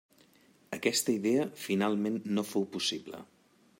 Aquesta idea finalment no fou possible.